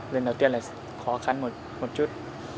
lần đầu tiên là khó khăn một chút